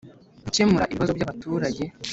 Gukemura ibibazo by abaturage